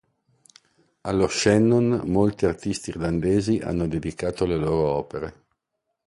Allo Shannon molti artisti irlandesi hanno dedicato le loro opere.